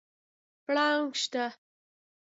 پړانګ شته؟